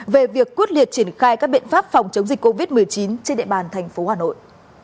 về việc quyết liệt triển khai các biện pháp phòng chống dịch covid một mươi chín trên địa bàn thành phố hà nội